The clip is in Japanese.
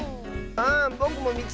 あぼくもみつけたい！